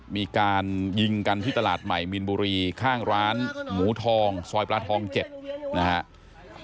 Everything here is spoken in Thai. มีการยิงกันที่ตลาดใหม่มีนบุรีข้างร้านหมูทองซอยปลาทอง๗นะครับ